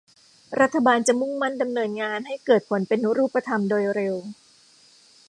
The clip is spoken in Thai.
รัฐบาลจะมุ่งมั่นดำเนินงานให้เกิดผลเป็นรูปธรรมโดยเร็ว